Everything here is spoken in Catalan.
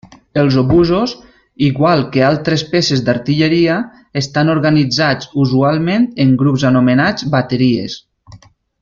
Els obusos, igual que altres peces d'artilleria, estan organitzats usualment en grups anomenats bateries.